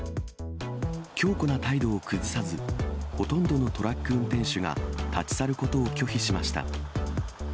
強固な態度を崩さず、ほとんどのトラック運転手が立ち去ることを拒否しました。